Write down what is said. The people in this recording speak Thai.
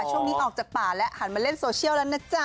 ช่วงนี้ออกจากป่าแล้วหันมาเล่นโซเชียลแล้วนะจ๊ะ